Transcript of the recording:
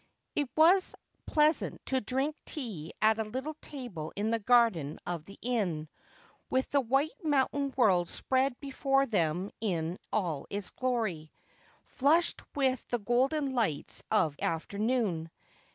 It was pleasant to drink tea at a little table in the garden of the inn, with the white mountain world spread before them in all its glory, flushed with the golden lights of afternoon.